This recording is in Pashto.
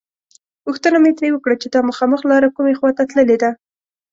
پوښتنه مې ترې وکړه چې دا مخامخ لاره کومې خواته تللې ده.